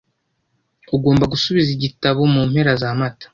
Ugomba gusubiza igitabo mu mpera za Mata.